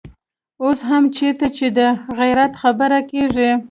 اوس هم چېرته چې د غيرت خبره کېږي.